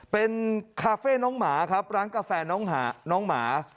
เป็นคาเฟ่น้องหมาครับร้านกาแฟน้องหมา